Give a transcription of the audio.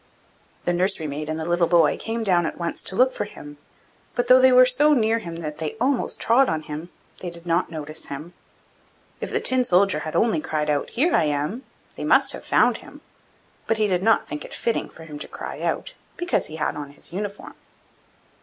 The nursery maid and the little boy came down at once to look for him, but, though they were so near him that they almost trod on him, they did not notice him. If the Tin soldier had only called out 'Here I am!' they must have found him; but he did not think it fitting for him to cry out, because he had on his uniform.